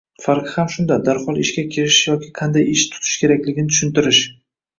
Farqi ham shunda: darhol ishga kirishish yoki qanday ish tutish kerakligini tushuntirish.